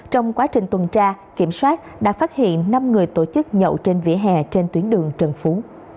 trong quá trình tuần tra kiểm soát đã phát hiện năm người tổ chức nhậu trên vỉa hè trên tuyến đường trần phú